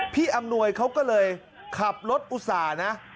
อำนวยเขาก็เลยขับรถอุตส่าห์นะ